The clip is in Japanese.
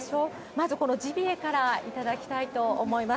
まずこのジビエから頂きたいと思います。